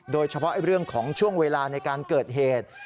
โดยเฉพาะเรื่องของช่วงเวลาในการเกิดเหตุ